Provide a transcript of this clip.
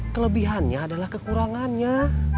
kelebihannya adalah kekurangannya